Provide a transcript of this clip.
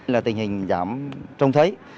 là tình hình giảm trông thấy